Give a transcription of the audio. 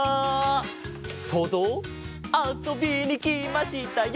そうぞうあそびにきましたよ！